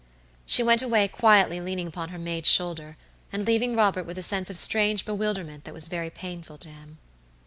She went away quietly leaning upon her maid's shoulder, and leaving Robert with a sense of strange bewilderment that was very painful to him.